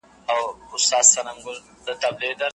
ژوند یو قیمتي امانت دی.